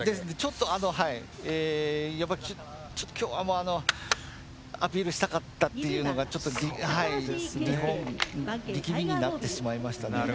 ちょっと、今日はアピールしたかったというのが力みになってしまいましたね。